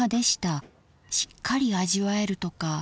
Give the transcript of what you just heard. しっかり味わえるとか。